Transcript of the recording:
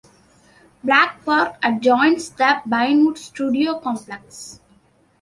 Black Park adjoins the Pinewood Studio complex.